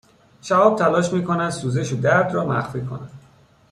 شهاب تلاش می کند سوزش و درد را مخفی کند